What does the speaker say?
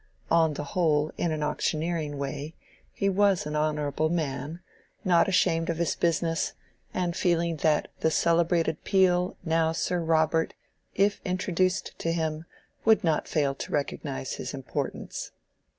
On the whole, in an auctioneering way, he was an honorable man, not ashamed of his business, and feeling that "the celebrated Peel, now Sir Robert," if introduced to him, would not fail to recognize his importance.